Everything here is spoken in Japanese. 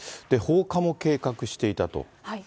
放火も計画していたと。